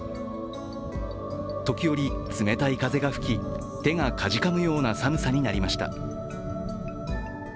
時折冷たい風が吹き、手がかじかむような寒さになりました。